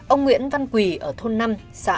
ông nguyễn văn quỳ ở thôn năm xã